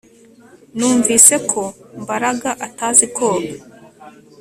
Numvise ko Mbaraga atazi koga